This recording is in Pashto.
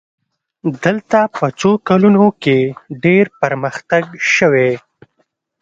دلته په څو کلونو کې ډېر پرمختګ شوی.